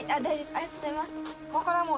ありがとうございます。